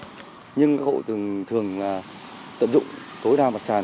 nhất là mặt hàng dễ cháy nhưng các hội thường tận dụng tối đa mặt sản